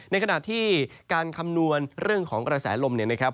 ในขณะที่การคำนวณเรื่องของกระแสลมเนี่ยนะครับ